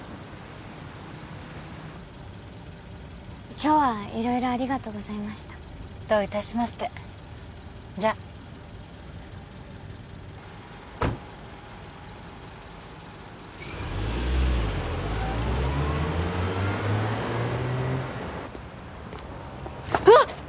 今日は色々ありがとうございましたどういたしましてじゃあうわっ！